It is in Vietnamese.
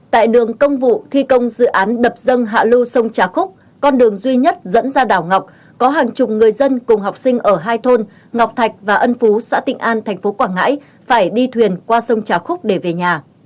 tại đường công vụ thi công dự án đập dâng hạ lưu sông trà khúc con đường duy nhất dẫn ra đảo ngọc có hàng chục người dân cùng học sinh ở hai thôn ngọc thạch và ân phú xã tịnh an thành phố quảng ngãi phải đi thuyền qua sông trà khúc để về nhà